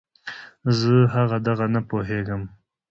زه هغه دغه نه پوهېږم.